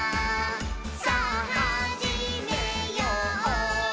さぁはじめよう」